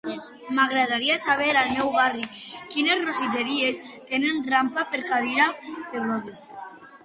M'agradaria saber, al meu barri, quines rostisseries tenen rampa per cadira de rodes?